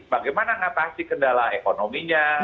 bagaimana mengatasi kendala ekonominya